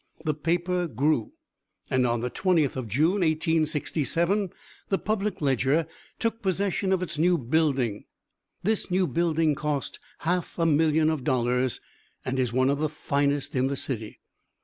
The paper grew, and on the 20th of June, 1867, the Public Ledger took possession of its new building. This new building cost half a million of dollars, and is one of the finest in the city.